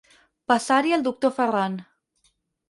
Passar-hi el doctor Ferran.